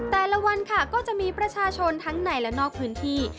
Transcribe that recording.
แต่ละวันค่ะก็จะมีประชาชนทั้งในและนอกพื้นที่